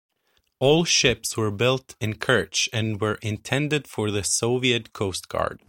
All ships were built in Kerch and were intended for the Soviet Coast Guard.